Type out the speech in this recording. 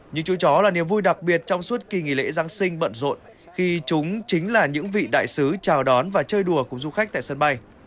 những chú chó là niềm vui đặc biệt trong suốt kỳ nghỉ lễ giáng sinh bận rộn khi chúng chính là những vị đại sứ chào đón và chơi đùa cùng du khách tại sân bay